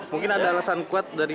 mungkin ada alasan kuat dari